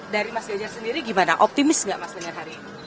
dari mas ganjar sendiri gimana optimis nggak mas dengan hari ini